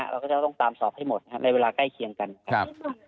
เราก็จะต้องตามสอบให้หมดนะครับในเวลาใกล้เคียงกันครับ